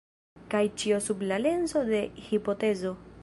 Kaj ĉio sub la lenso de hipotezo.